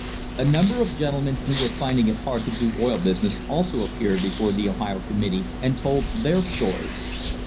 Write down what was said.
A number of gentlemen who were rinding it hard to do oil busi ness also appeared before the Ohio committee and told their stories.